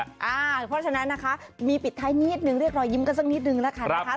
เพราะฉะนั้นนะคะมีปิดท้ายนิดนึงเรียกรอยยิ้มกันสักนิดนึงแล้วกันนะคะ